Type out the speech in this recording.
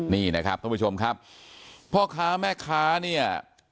นี่นะครับท่านผู้ชมครับพ่อค้าแม่ค้าเนี่ย